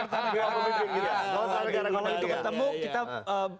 kalau itu bertemu kita